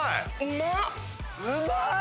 うまい！